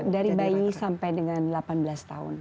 dari bayi sampai dengan delapan belas tahun